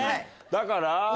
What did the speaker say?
だから。